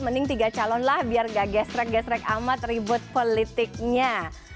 mending tiga calon lah biar gak gestrek gesrek amat ribut politiknya